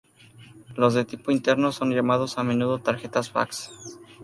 Los de tipo internos son llamados a menudo tarjetas fax.